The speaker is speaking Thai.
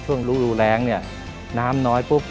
ช่วงรู้แล้งน้ำน้อยปุ๊บ